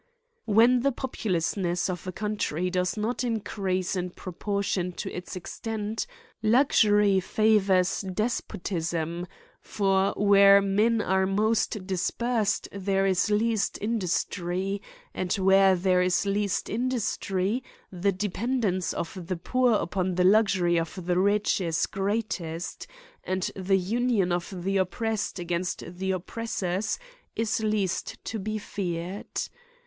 When the populousness of a country does not increase in proportion to its extent, luxury fa vours despotism ? for where men are most dis persed there is least industry, and where there is least industry the dependence of the poor upon the luxury of the rich is greatest, and the union of the oppressed against the oppressors is least to be feared.